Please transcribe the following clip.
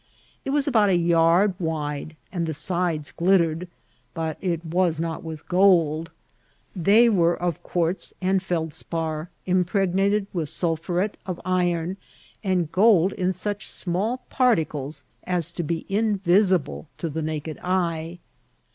It was about a yard wide, and the sides glittered — ^but it was not with gold ; they were of quartz and feldspar, impregnated with sul phuret of iron, and gold in such small particles as to be invisible to the naked eye.